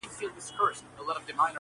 زما دعا به درسره وي زرکلن سې؛